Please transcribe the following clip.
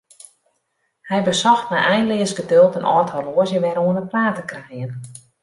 Hy besocht mei einleas geduld in âld horloazje wer oan 'e praat te krijen.